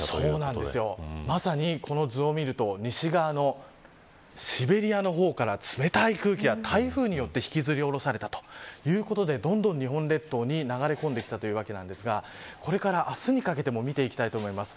まさに、この図を見ると西側のシベリアの方から冷たい空気が、台風によって引きずり降ろされたということでどんどん日本列島に流れ込んできたというわけなんですがこれから明日にかけても見ていきたいと思います。